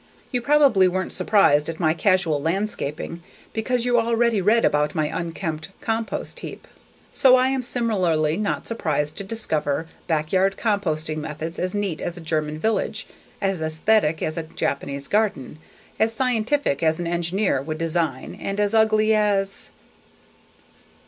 You probably weren't surprised at my casual landscaping because you already read about my unkempt compost heap. So I am similarly not surprised to discover backyard composting methods as neat as a German village, as aesthetic as a Japanese garden, as scientific as an engineer would design and as ugly as